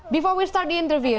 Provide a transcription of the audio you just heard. sebelum kita mulai interview